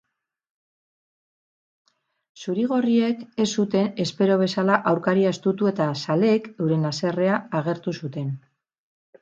Zuri-gorriek ez zuten espero bezala aurkaria estutu eta zaleek euren haserrea agertu zuten.